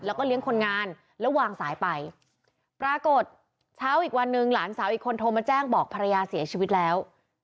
แล้วก็เลี้ยงคนงานแล้ววางสายไปปรากฏเช้าอีกวันหนึ่งหลานสาวอีกคนโทรมาแจ้งบอกภรรยาเสียชีวิตแล้ว